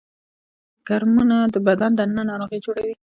کرمونه د بدن دننه ناروغي جوړوي